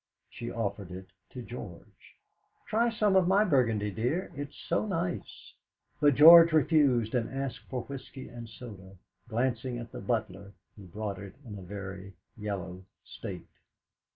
She offered it to George. "Try some of my burgundy, dear; it's so nice." But George refused and asked for whisky and soda, glancing at the butler, who brought it in a very yellow state.